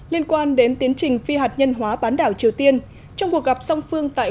liên quan đến tiến trình phi hạt nhân hóa bán đảo triều tiên trong cuộc gặp song phương tại